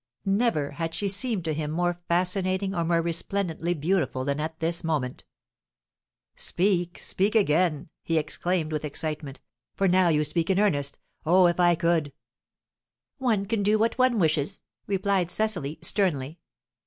Never had she seemed to him more fascinating, or more resplendently beautiful than at this moment. "Speak, speak again!" he exclaimed, with excitement. "For now you speak in earnest. Oh, if I could " "One can do what one wishes," replied Cecily, sternly.